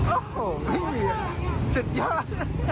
โอ้โฮสุดยอด